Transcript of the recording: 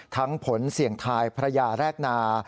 ผลเสี่ยงทายภรรยาแรกนา